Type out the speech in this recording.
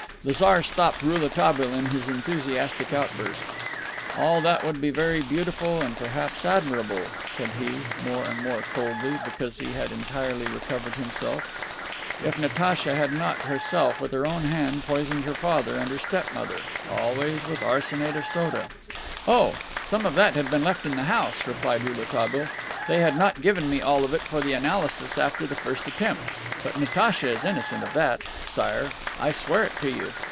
The Tsar stopped Rouletabille in his enthusiastic outburst. "All that would be very beautiful and perhaps admirable," said he, more and more coldly, because he had entirely recovered himself, "if Natacha had not, herself, with her own hand, poisoned her father and her step mother! always with arsenate of soda." "Oh, some of that had been left in the house," replied Rouletabille. "They had not given me all of it for the analysis after the first attempt. But Natacha is innocent of that, Sire. I swear it to you.